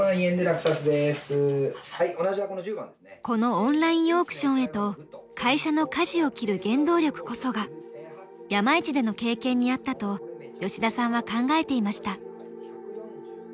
このオンラインオークションへと会社のかじを切る原動力こそが山一での経験にあったと吉田さんは考えていました。